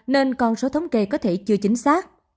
nên con số thống kê có thể chưa chính xác